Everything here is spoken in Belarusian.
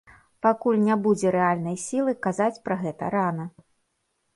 Пакуль не будзе рэальнай сілы, казаць пра гэта рана.